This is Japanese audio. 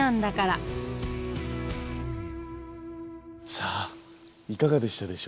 さあいかがでしたでしょうか？